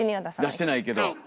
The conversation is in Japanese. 出してないけど。